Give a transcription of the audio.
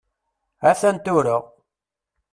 A-t-an tura!